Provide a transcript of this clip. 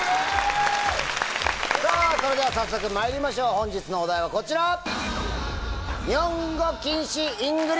それでは早速まいりましょう本日のお題はこちら！